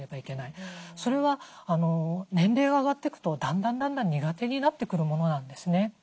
それは年齢が上がっていくとだんだん苦手になってくるものなんですね。